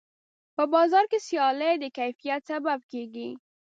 په بازار کې سیالي د کیفیت سبب کېږي.